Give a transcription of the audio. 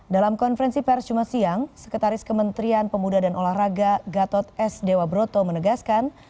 dalam konferensi pers jumat siang sekretaris kementerian pemuda dan olahraga gatot s dewa broto menegaskan